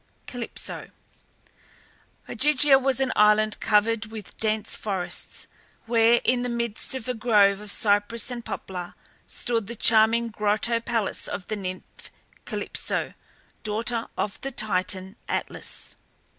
CALYPSO. Ogygia was an island covered with dense forests, where, in the midst of a grove of cypress and poplar, stood the charming grotto palace of the nymph Calypso, daughter of the Titan Atlas.